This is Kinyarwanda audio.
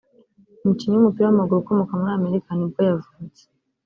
umukinnyi w’umupira w’amaguru ukomoka muri Amerika nibwo yavutse